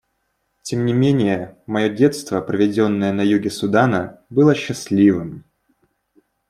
Тем не менее мое детство, проведенное на юге Судана, было счастливым.